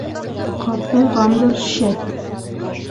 Ҡартайғандыр, шәт?